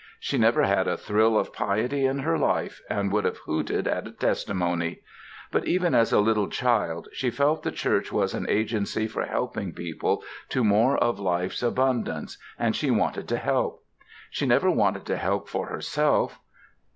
She never had a thrill of piety in her life, and would have hooted at a "testimony." But even as a little child she felt the church was an agency for helping people to more of life's abundance, and she wanted to help. She never wanted help for herself.